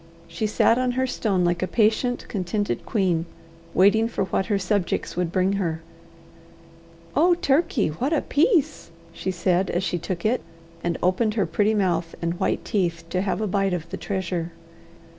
She sat on her stone like a patient, contented queen, waiting for what her subjects would bring her. "Oh, Turkey! what a piece!" she said as she took it, and opened her pretty mouth and white teeth to have a bite of the treasure.